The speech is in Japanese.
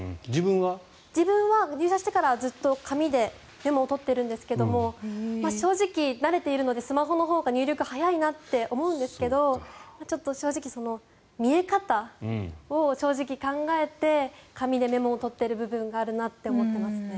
自分は入社してからはずっと紙でメモを取っているんですけど正直、慣れているのでスマホのほうが入力速いなって思うんですけど正直、見え方を考えて紙でメモを取っている部分があるなって思っていますね。